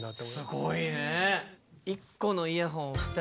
すごいね。